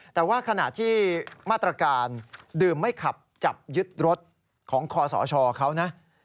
แต่ว่าขณะที่มาตรการดื่มไม่ขับจับยึดรถของคอสชเขานะ